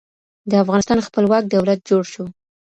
د افغانستان خپلواک دولت جوړ شو.